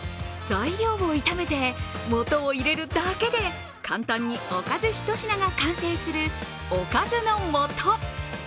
材料を炒めて素を入れるだけで簡単におかずひと品が完成するおかずの素。